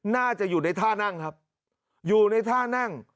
น่าจะอยู่ในท่านั่งครับอยู่ในท่านั่ง